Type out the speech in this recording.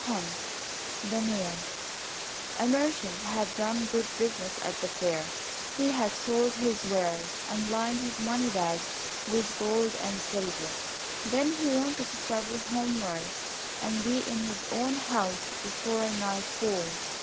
184 The Nail A merchant had done good business at the fair; he had sold his wares, and lined his money bags with gold and silver. Then he wanted to travel homewards, and be in his own house before nightfall.